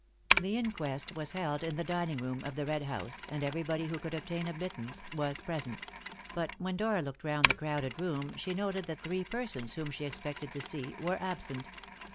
The inquest was held in the dining room of the Red House, and everybody who could obtain admittance was present; but when Dora looked round the crowded room she noted that three persons whom she expected to see were absent.